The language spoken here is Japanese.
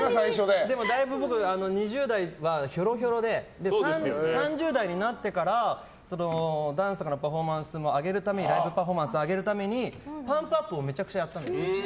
でもだいぶ、僕２０代はひょろひょろで３０代になってからダンス、パフォーマンスを上げるためにパンプアップをめちゃくちゃやったんです。